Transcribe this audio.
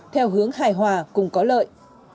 theo hướng hài hòa cùng có lợi